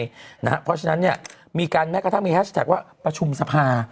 เพราะฉะนั้นเนี่ยมีการแม้กระทั่งมีแฮชแท็กว่าประชุมสภา